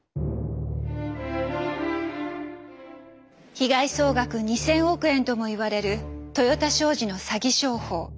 被害総額２，０００億円とも言われる豊田商事の詐欺商法。